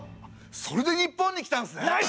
それで日本に来たんですね！